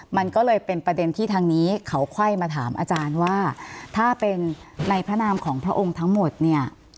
มันก็เลยเป็นประเด็นที่ทางนี้เขาไขว้มาถามอาจารย์ว่าถ้าเป็นในพระนามของพระองค์ทั้งหมดเนี่ย